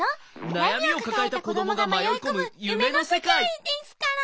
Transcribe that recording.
なやみをかかえたこどもがまよいこむゆめのせかい。ですから。